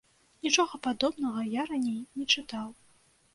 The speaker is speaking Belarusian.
Нічога падобнага я раней не чытаў.